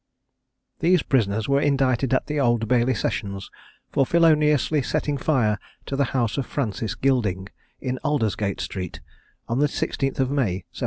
These prisoners were indicted at the Old Bailey sessions for feloniously setting fire to the house of Francis Gilding, in Aldersgate street, on the 16th of May 1790.